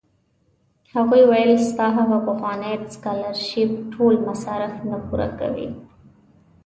هغوی ویل ستا هغه پخوانی سکالرشېپ ټول مصارف نه پوره کوي.